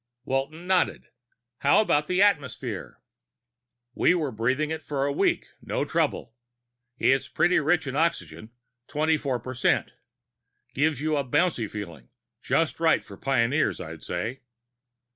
Walton nodded. "How about the atmosphere?" "We were breathing it for a week, and no trouble. It's pretty rich in oxygen twenty four percent. Gives you a bouncy feeling just right for pioneers, I'd say."